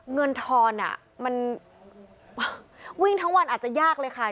ทอนมันวิ่งทั้งวันอาจจะยากเลยค่ะ